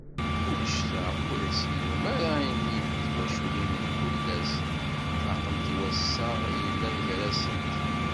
Anect-a, ur as-idum ara imi tiwaculin n tullas, faqent i wassaɣ i yellan gar-asent.